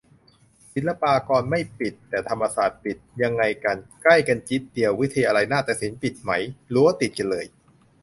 ศิลปากรไม่ปิด แต่ธรรมศาสตร์ปิด ยังไงกัน ใกล้กันจิ๊ดเดียว วิทยาลัยนาฏศิลป์ปิดไหม ? รั้วติดกันเลย